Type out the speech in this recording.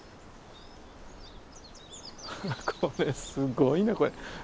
これすごいなこれ。